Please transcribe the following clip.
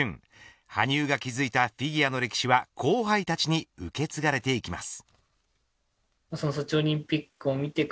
羽生が築いたフィギュアの歴史は後輩たちに受け継がれていきます。